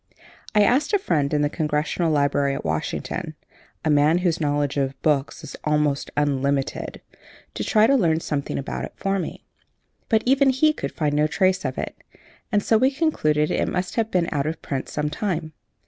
I asked a friend in the Congressional Library at Washington a man whose knowledge of books is almost unlimited to try to learn something about it for me. But even he could find no trace of it; and so we concluded it must have been out of print some time.